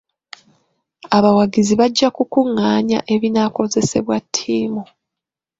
Abawagizi bajja kukungaanya ebinaakozesebwa ttiimu.